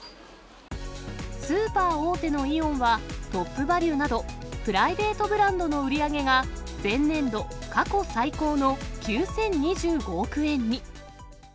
スーパー大手のイオンは、トップバリュなど、プライベートブランドの売り上げが前年度過去最高の９０２５億円に。